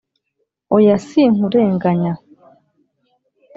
Oya si nkurenganya